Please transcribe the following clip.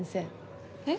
えっ？